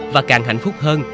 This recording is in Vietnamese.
và càng hạnh phúc hơn